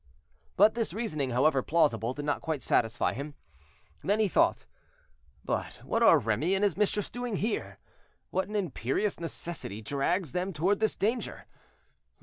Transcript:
But this reasoning, however plausible, did not quite satisfy him. Then he thought, "But what are Remy and his mistress doing here? What imperious necessity drags them toward this danger?